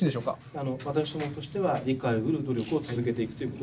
あの私どもとしては理解をうる努力を続けていくという。